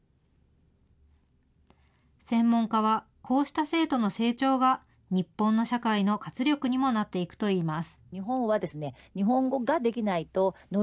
専門家は、こうした生徒の成長が日本の社会の活力にもなっていくといいます。